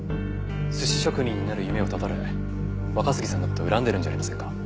寿司職人になる夢を絶たれ若杉さんの事を恨んでるんじゃありませんか？